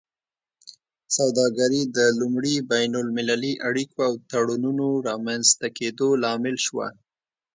سوداګري د لومړي بین المللي اړیکو او تړونونو رامینځته کیدو لامل شوه